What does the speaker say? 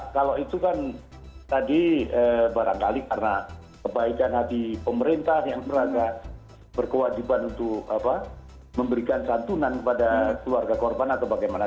kalau itu kan tadi barangkali karena kebaikan hati pemerintah yang merasa berkewajiban untuk memberikan santunan kepada keluarga korban atau bagaimana